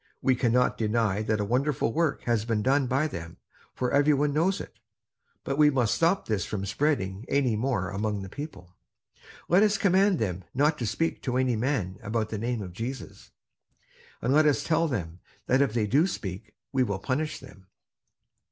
We cannot deny that a wonderful work has been done by them, for every one knows it. But we must stop this from spreading any more among the people. Let us command them not to speak to any man about the name of Jesus; and let us tell them, that if they do speak, we will punish them."